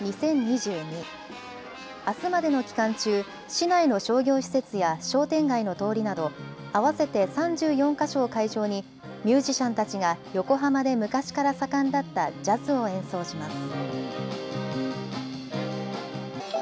あすまでの期間中、市内の商業施設や商店街の通りなど合わせて３４か所を会場にミュージシャンたちが横浜で昔から盛んだったジャズを演奏します。